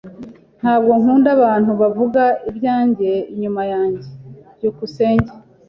Ntabwo nkunda abantu bavuga ibyanjye inyuma yanjye. byukusenge